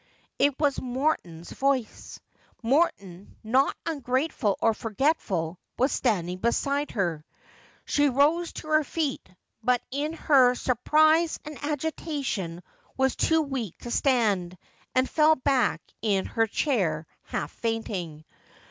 It was Morton's voice. Morton, not ungrateful or forgetful, was standing beside her. She rose to her feet, but in her sur prise and agitation was too weak to stand, and fell back in her chair half fainting.